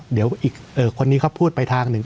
เดี๋ยวอีกคนนี้เขาพูดไปทางหนึ่ง